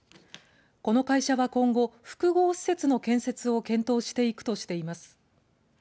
この会社は今後、複合施設の建設を検討していくとしています。